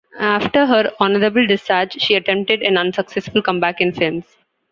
After her honorable discharge she attempted an unsuccessful comeback in films.